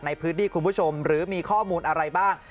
ในพื้นที่คุณผู้ชมหรือมีข้อมูลอะไรบ้าง